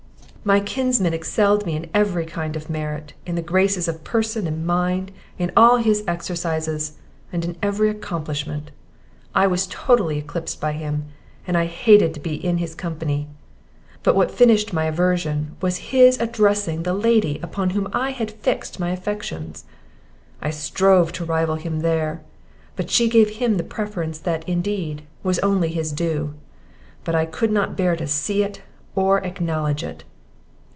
"My kinsman excelled me in every kind of merit, in the graces of person and mind, in all his exercises, and in every accomplishment. I was totally eclipsed by him, and I hated to be in his company; but what finished my aversion, was his addressing the lady upon whom I had fixed my affections. I strove to rival him there, but she gave him the preference that, indeed, was only his due; but I could not bear to see, or acknowledge, it.